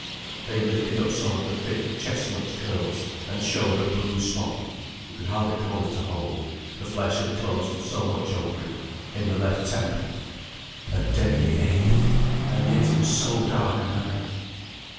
They lifted up some of the thick chestnut curls, and showed a blue spot (you could hardly call it a hole, the flesh had closed so much over it) in the left temple. A deadly aim! And yet it was so dark a night!